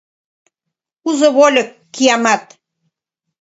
— Узо вольык, киямат!..»